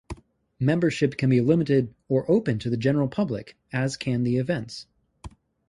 Membership can be limited or open to the general public, as can the events.